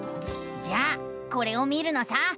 じゃあこれを見るのさ！